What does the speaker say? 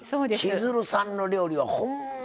千鶴さんの料理はほんま